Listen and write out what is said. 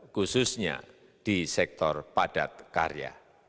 khususnya di sektor padat karya